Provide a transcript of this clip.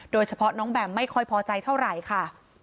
โดยเฉพาะน้องแบมไม่ค่อยพอใจเท่าไหร่ค่ะ